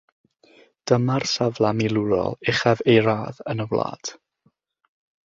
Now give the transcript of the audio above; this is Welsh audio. Dyma'r safle milwrol uchaf ei radd yn y wlad.